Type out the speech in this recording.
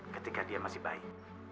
ketika dia masih bayi